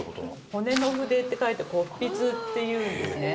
骨の筆って書いて骨筆っていうんですね。